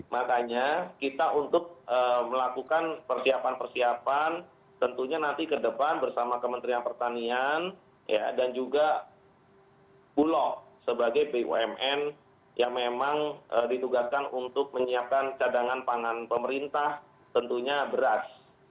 makanya kita untuk melakukan persiapan persiapan tentunya nanti ke depan bersama kementerian pertanian dan juga bulog sebagai bumn yang memang ditugaskan untuk menyiapkan cadangan pangan pemerintah tentunya beras